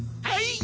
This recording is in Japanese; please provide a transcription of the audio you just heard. はい。